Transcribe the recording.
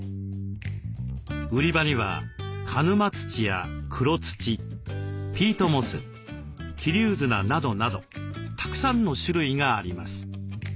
売り場には鹿沼土や黒土ピートモス桐生砂などなどたくさんの種類があります。